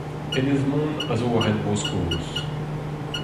Enez Mon a zo war hent Bro-Skos.